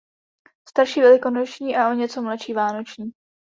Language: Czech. Starší velikonoční a o něco mladší vánoční.